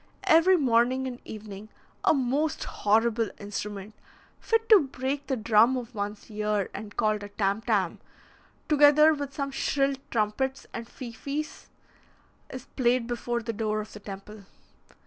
Every morning and evening a most horrible instrument, fit to break the drum of one's ear, and called a tam tam, together with some shrill trumpets and fifes, is played before the door of the temple.